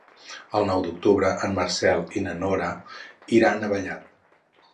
El nou d'octubre en Marcel i na Nora iran a Vallat.